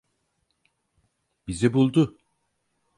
Bizi buldu.